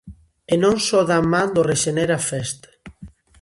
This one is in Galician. E non só da man do Rexenera Fest.